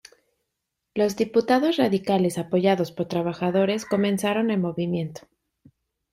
Los diputados radicales apoyados por trabajadores comenzaron el movimiento.